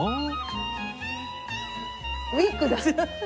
ウィッグだ。